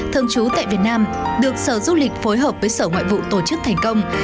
thân chú tại việt nam được sở du lịch phối hợp với sở ngoại vụ tổ chức thành công